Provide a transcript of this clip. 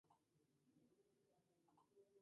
La iglesia estaba cerca del Palacio de Soissons.